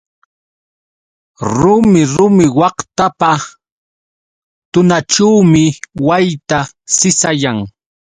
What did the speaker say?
Rumi rumi waqtapa tunaćhuumi wayta sisayan.